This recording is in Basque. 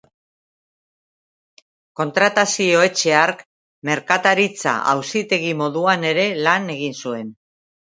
Kontratazio-etxe hark merkataritza-auzitegi moduan ere lan egin zuen.